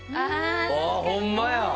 あほんまや！